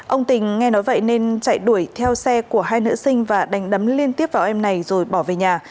ông tình nghe nói vậy nên chạy đuổi theo xe của hai nữ sinh và đánh đấm liên tiếp vào em này rồi bỏ về nhà